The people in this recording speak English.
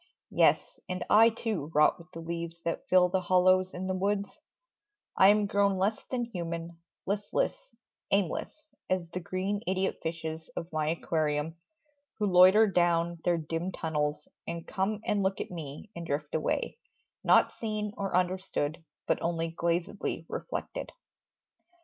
Yes, and I too rot with the leaves that fill The hollows in the woods; I am grown less Than human, listless, aimless as the green Idiot fishes of my aquarium, Who loiter down their dim tunnels and come And look at me and drift away, nought seen Or understood, but only glazedly Reflected.